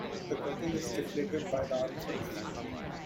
The couple is deflated by the answers.